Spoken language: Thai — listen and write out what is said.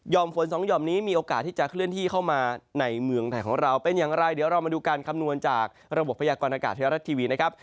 ฝนสองห่อมนี้มีโอกาสที่จะเคลื่อนที่เข้ามาในเมืองไทยของเราเป็นอย่างไรเดี๋ยวเรามาดูการคำนวณจากระบบพยากรณากาศไทยรัฐทีวีนะครับ